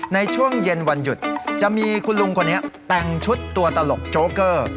ในช่วงเย็นวันหยุดจะมีคุณลุงคนนี้แต่งชุดตัวตลกโจ๊กเกอร์